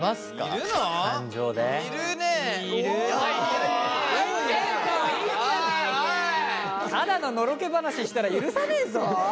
ただののろけ話したら許さねえぞ。